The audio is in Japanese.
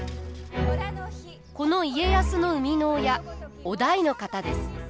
この家康の生みの親於大の方です。